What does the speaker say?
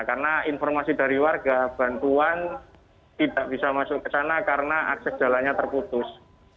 karena informasi dari warga bantuan tidak bisa masuk ke sana karena akses jalannya terputus